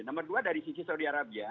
nomor dua dari sisi saudi arabia